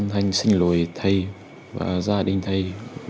em cũng xin lỗi thầy và gia đình thầy